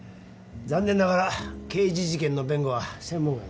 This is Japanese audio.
残念ながら刑事事件の弁護は専門外で。